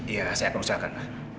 ya saya akan usahakan